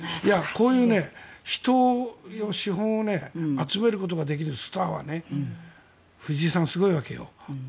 こういう、人や資本を集めることができるスターは藤井さん、すごいわけよ。